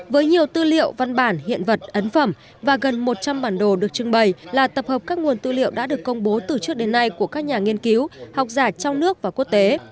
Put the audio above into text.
với nhiều tư liệu văn bản hiện vật ấn phẩm và gần một trăm linh bản đồ được trưng bày là tập hợp các nguồn tư liệu đã được công bố từ trước đến nay của các nhà nghiên cứu học giả trong nước và quốc tế